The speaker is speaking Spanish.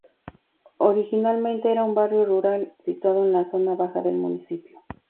Originalmente era un barrio rural situado en la zona baja del municipio.